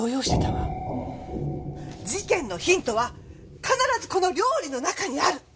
事件のヒントは必ずこの料理の中にある！